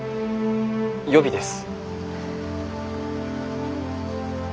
予備です。